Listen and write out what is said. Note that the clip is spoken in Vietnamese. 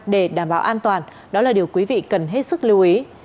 để đảm bảo an toàn đó là điều quý vị cần hết sức lưu ý